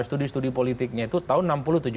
studi studi politiknya itu tahun enam puluh tujuh